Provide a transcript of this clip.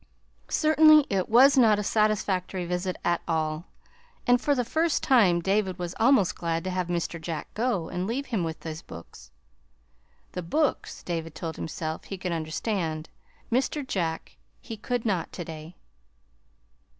Certainly it was not a satisfactory visit at all, and for the first time David was almost glad to have Mr. Jack go and leave him with his books. The BOOKS, David told himself, he could understand; Mr. Jack he could not to day.